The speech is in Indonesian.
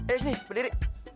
eh sini pendiri